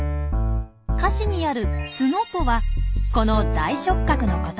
歌詞にある「つの」とはこの大触角のこと。